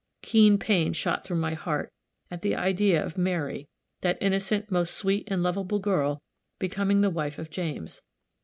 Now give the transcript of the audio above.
Keen pain shot through my heart at the idea of Mary, that innocent, most sweet and lovable girl, becoming the wife of James.